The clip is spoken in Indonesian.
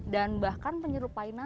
dan bahkan menyerupai nasi